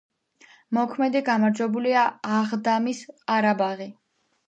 მოქმედი გამარჯვებულია აღდამის „ყარაბაღი“.